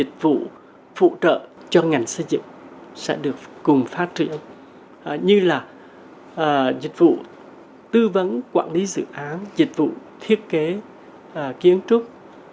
dịch vụ phụ trợ cho ngành xây dựng sẽ được cùng phát triển như là dịch vụ tư vấn quản lý dự án dịch vụ thiết kế kiến trúc